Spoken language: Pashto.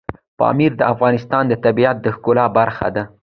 پامیر د افغانستان د طبیعت د ښکلا برخه ده.